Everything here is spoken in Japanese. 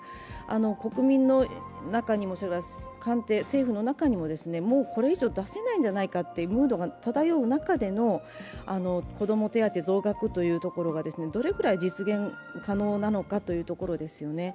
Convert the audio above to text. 国民の中にも、政府の中にももうこれ以上出せないんじゃないかというムードが漂う中での子供手当増額というところがどれぐらい実現可能なのかというところですよね。